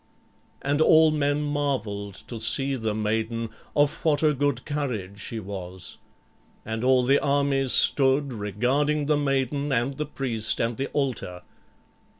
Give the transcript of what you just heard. And all men marveled to see the maiden of what a good courage she was. And all the army stood regarding the maiden and the priest and the altar.